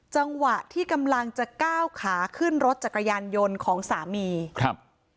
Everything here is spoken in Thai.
จังหวะที่กำลังจะก้าวขาขึ้นรถจักรยานยนต์ของสามีครับ